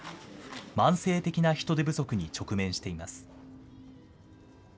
慢性的な人手不足に直面しています。